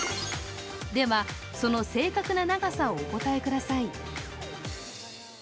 では、その正確な長さをお答えください。